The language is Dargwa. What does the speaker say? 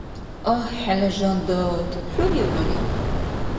Агь, хӀела жан дат! ХӀурив, гъари?